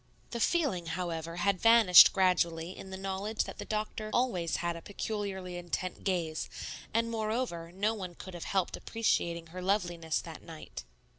The feeling, however, had vanished gradually in the knowledge that the doctor always had a peculiarly intent gaze, and, moreover, no one could have helped appreciating her loveliness that night.